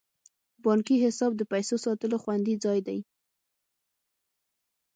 بانکي حساب د پیسو ساتلو خوندي ځای دی.